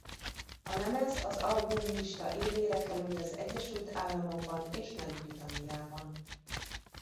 A lemez az albumlista élére került az Egyesült Államokban és Nagy-Britanniában.